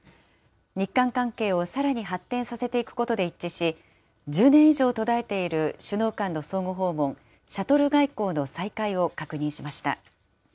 日韓関係をさらに発展させていくことで一致し、１０年以上途絶えている首脳間の相互訪問、シャトル外交の再開を確認しました。